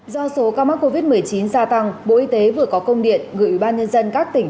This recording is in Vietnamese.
do số ca mắc covid một mươi chín gia tăng bộ y tế vừa có công điện gửi ủy ban nhân dân các tỉnh